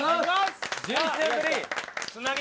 １１年ぶり！